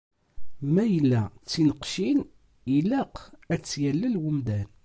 Ma yella d tineqcin, ilaq ad tt-yallel umdan.